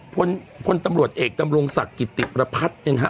ผู้คนตำรวจเอกตำรงศักย์กิติประพัทย์เนี้ยฮะ